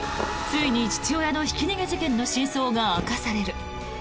ついに父親のひき逃げ事件の真相が明かされる！